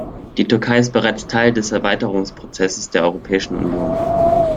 Die Türkei ist bereits Teil des Erweiterungsprozesses der Europäischen Union.